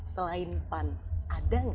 selain pan ada nggak